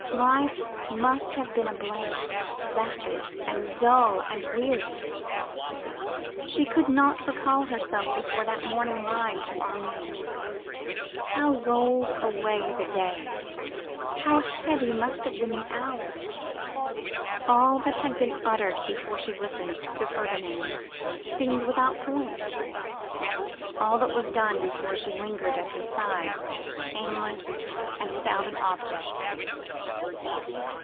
Life must have been a blank, vapid and dull and weary. She could not recall herself before that morning ride to Armine. How rolled away the day! How heavy must have been the hours! All that had been uttered before she listened to Ferdinand seemed without point; all that was done before he lingered at her side, aimless and without an object.